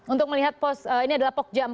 untuk melihat ini adalah pokja empat